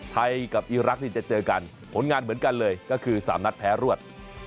ไทยกับอีรักษ์นี่จะเจอกันผลงานเหมือนกันเลยก็คือ๓นัดแพ้รวด